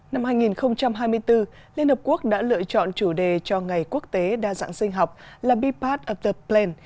năm hai nghìn hai mươi bốn liên hợp quốc đã lựa chọn chủ đề cho ngày quốc tế đa dạng sinh học là be part of the plan